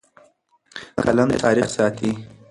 قلم تاریخ ساتي.